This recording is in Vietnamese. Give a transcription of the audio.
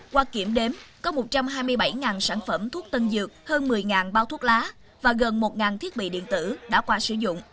qua kiểm đếm có một trăm hai mươi bảy sản phẩm thuốc tân dược hơn một mươi bao thuốc lá và gần một thiết bị điện tử đã qua sử dụng